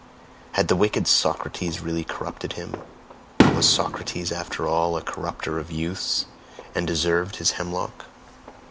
Had the wicked Socrates really corrupted him? Was Socrates after all a corrupter of youths, and deserved his hemlock?"